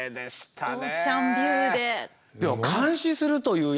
オーシャンビューで。